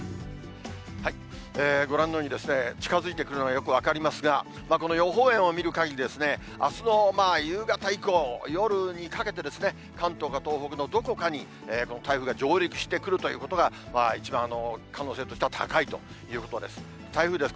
ご覧のように近づいてくるのがよく分かりますが、この予報円を見るかぎり、あすの夕方以降、夜にかけてですね、関東か東北のどこかにこの台風が上陸してくるということが、一番可能性としては高いということです。